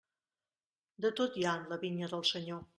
De tot hi ha en la vinya del Senyor.